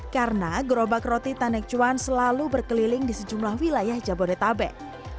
karena gerobak roti tanek cuan selalu berkeliling di sejumlah wilayah jabodetabek